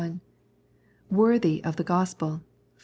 i), worthy of the Gospel (Phil.